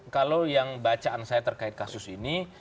kalau yang bacaan saya terkait kasus ini